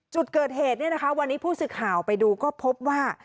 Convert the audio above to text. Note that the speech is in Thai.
จุดเกิดเหตุเนี่ยนะคะวันนี้ผู้สื่อข่าวไปดูก็พบว่า